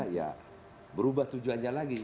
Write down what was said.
ya berubah tujuannya lagi